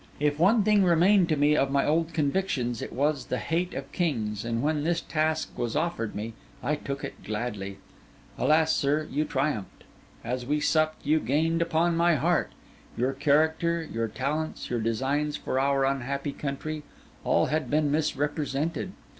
If one thing remained to me of my old convictions, it was the hate of kings; and when this task was offered me, I took it gladly. Alas, sir, you triumphed. As we supped, you gained upon my heart. Your character, your talents, your designs for our unhappy country, all had been misrepresented.